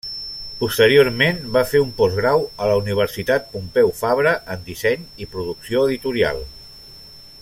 Posteriorment va fer un postgrau a la Universitat Pompeu Fabra en Disseny i Producció Editorial.